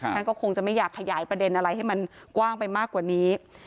ท่านก็คงจะไม่อยากขยายประเด็นอะไรให้มันกว้างไปมากกว่านี้